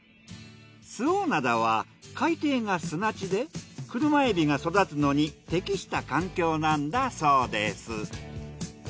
周防灘は海底が砂地でクルマエビが育つのに適した環境なんだそうです。